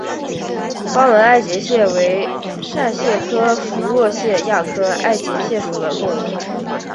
花纹爱洁蟹为扇蟹科熟若蟹亚科爱洁蟹属的动物。